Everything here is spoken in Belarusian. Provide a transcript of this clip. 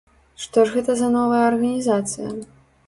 Што ж гэта за новая арганізацыя?